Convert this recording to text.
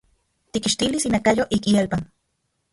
Tikkixtilis inakayo ik ielpan.